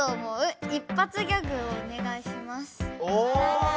お！